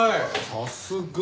さすが。